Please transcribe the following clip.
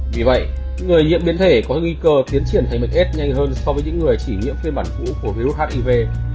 vì vậy người nhiễm biến thể có nguy cơ tiến triển thành bệnh s nhanh hơn so với những người chỉ nhiễm phiên bản cũ của virus hiv